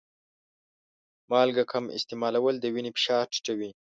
مالګه کم استعمالول د وینې فشار ټیټوي.